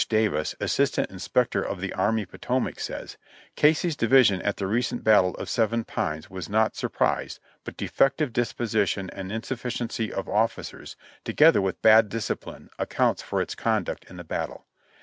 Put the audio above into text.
Davis, Assistant Inspector Army of the Po tomac, says : "Casey's division at the recent battle of Seven Pines was not surprised, but defective disposition and insufii ciency of officers, together with bad discipline, accounts for its conduct in the battle."